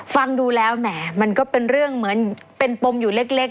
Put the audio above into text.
ฟังดูแล้วแหมมันก็เป็นเรื่องเหมือนเป็นปมอยู่เล็ก